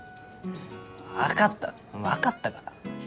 分かった分かったから。